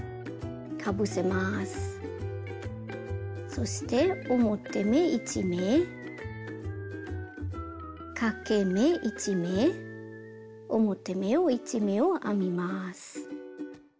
そして表目１目かけ目１目表目を１目を編みます。